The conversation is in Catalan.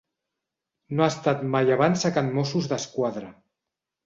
No ha estat mai abans a can Mossos d'Esquadra.